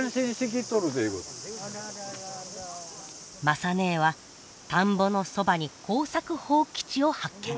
雅ねえは田んぼのそばに耕作放棄地を発見。